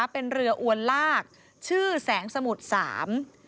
เป็นเรืออวนลากชื่อแสงสมุทรสาม